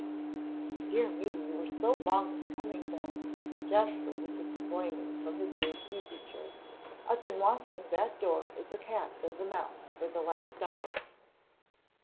"Dear me, you were so long in coming, Ben," Jasper was exclaiming from his big easy chair. "I've been watching that door as a cat does a mouse for the last hour."